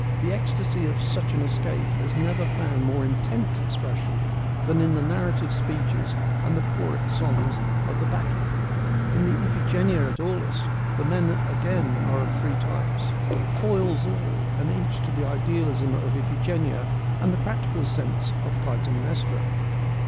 The ecstasy of such an escape has never found more intense expression than in the narrative speeches and the choric songs of the Bacchae. In the Iphigenia at Aulis the men again are of three types, foils all and each to the idealism of Iphigenia and the practical sense of Clytemnestra.